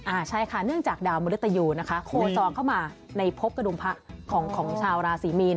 ใช่ค่ะเนื่องจากดาวมริตยูนะคะโคซองเข้ามาในพบกระดุมพระของของชาวราศรีมีน